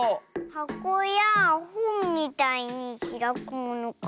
はこやほんみたいにひらくものか。